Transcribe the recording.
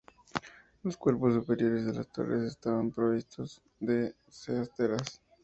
Los cuerpos superiores de las torres estaban provistos de saeteras.